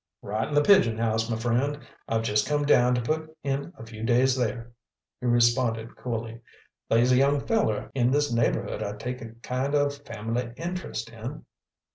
"Right in the Pigeon House, m'friend. I've just come down t'putt in a few days there," he responded coolly. "They's a young feller in this neighbourhood I take a kind o' fam'ly interest in."